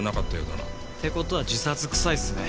って事は自殺くさいっすね。